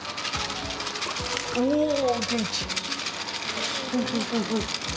おお、元気！